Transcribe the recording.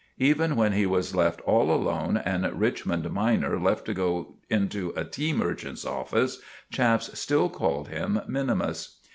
Even when he was left all alone and Richmond minor left to go into a tea merchant's office, chaps still called him 'minimus.